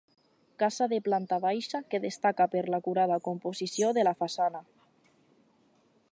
Casa de planta baixa que destaca per l'acurada composició de la façana.